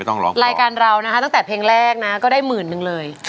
รายการเรานะคะตั้งแต่เพลงแรกนะก็ได้หมื่นนึงเลย